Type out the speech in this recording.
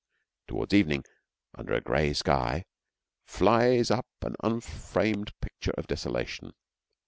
Towards evening, under a gray sky, flies by an unframed picture of desolation.